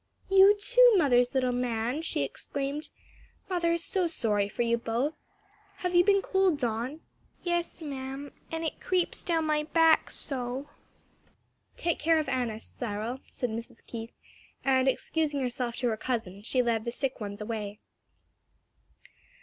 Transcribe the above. "You, too, mother's little man?" she exclaimed. "Mother is so sorry for you both. Have you been cold, Don?" "Yes, ma'am, and it creeps down my back now." "Take care of Annis, Cyril," said Mrs. Keith, and excusing herself to her cousin, she led the sick ones away.